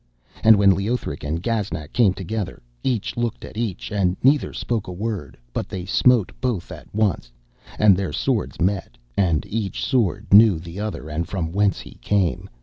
And when Leothric and Gaznak came together, each looked at each, and neither spoke a word; but they smote both at once, and their swords met, and each sword knew the other and from whence he came.